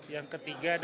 yang ketiga dan ketiga